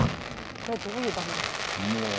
これどういう場面ですか？